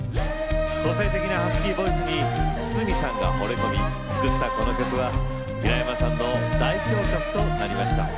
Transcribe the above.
個性的なハスキーボイスに筒美さんがほれ込み作ったこの曲は平山さんの代表曲となりました。